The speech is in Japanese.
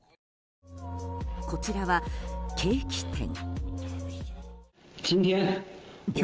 こちらは、ケーキ店。